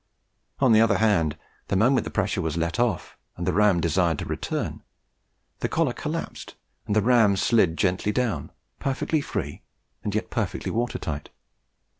On the other hand, the moment the pressure was let off and the ram desired to return, the collar collapsed and the ram slid gently down, perfectly free and yet perfectly water tight.